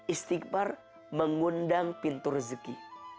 istighfar mengundang pintu rezeki